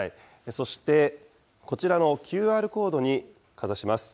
そして、こちらのＱＲコードにかざします。